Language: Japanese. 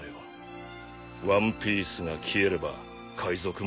ワンピースが消えれば海賊も消える。